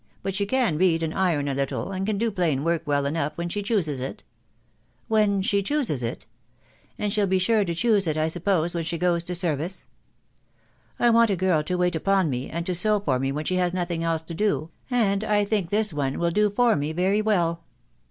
But she can read, and iron a little, and can do plain work well enough when she chooses it." " When she chooses it !.... and she '11 be sure to choose it, I suppose, when she goes to service. I want a girl to wait upon me, and to sew for me when she has no tiling else to do, and I think this one will do for me very well."